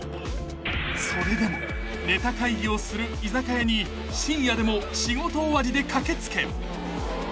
［それでもネタ会議をする居酒屋に深夜でも仕事終わりで駆けつけ］